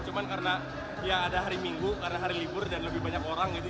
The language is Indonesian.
cuma karena ya ada hari minggu karena hari libur dan lebih banyak orang gitu